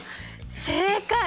正解！